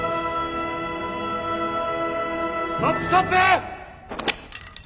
ストップストップ！